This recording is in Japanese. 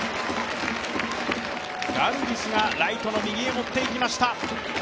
ガルビスがライトの右へ持っていきました。